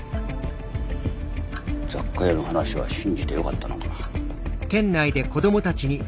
雑貨屋の話は信じてよかったのか。